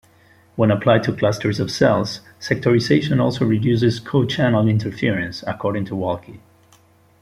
When applied to clusters of cells sectorization also reduces co-channel interference, according to Walke.